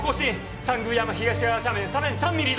三宮山東側斜面さらに３ミリ移動！